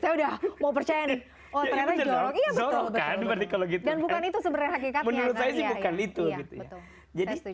udah mau percaya nih oh iya betul kan berikutnya bukan itu sebenarnya hakikatnya bukan itu jadi